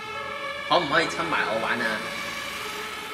可唔可以摻埋我玩呀?